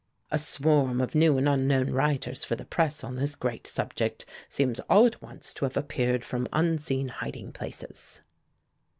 A swarm of new and unknown writers for the press on this great subject seems all at once to have appeared from unseen hiding places."